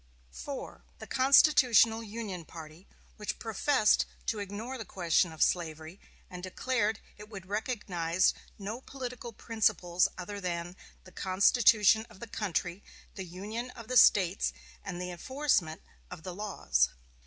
4. The Constitutional Union party, which professed to ignore the question of slavery, and declared it would recognize no political principles other than "the Constitution of the country, the union of the States, and the enforcement of the laws."